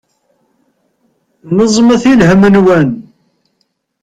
Neẓmet i lhem-nwen.